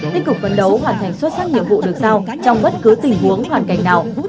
tích cực vấn đấu hoàn thành xuất sắc nhiệm vụ được giao trong bất cứ tình huống hoàn cảnh nào